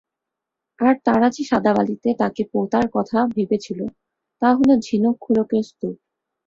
আর তারা যে সাদা বালিতে তাকে পোঁতার কথা ভেবেছিল তা হলো ঝিনুক খোলকের স্তূপ।